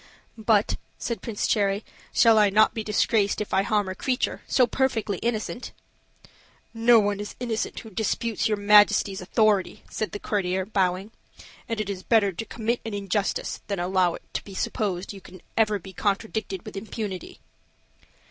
"But," said Prince Cherry, "shall I not be disgraced if I harm a creature so perfectly innocent?" "No one is innocent who disputes your majesty's authority," said the courtier, bowing; "and it is better to commit an injustice than allow it to be supposed you can ever be contradicted with impunity."